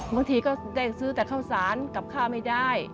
บางทีก็ได้ซื้อแต่ข้าวสารกับข้าวไม่ได้